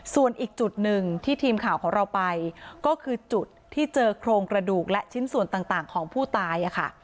ส่วนอีกจุดหนึ่งที่ทีมข่าวของเราไปก็คือจุดที่เจอโครงกระดูกและชิ้นส่วนต่างของผู้ตาย